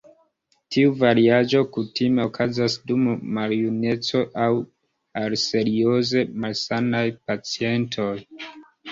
Tiu variaĵo kutime okazas dum maljuneco aŭ al serioze malsanaj pacientoj.